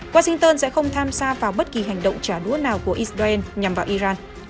washington sẽ không tham gia vào bất kỳ hành động trả đũa nào của israel nhằm vào iran